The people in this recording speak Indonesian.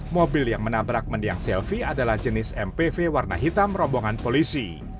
mobil yang menabrak mendiang selfie adalah jenis mpv warna hitam rombongan polisi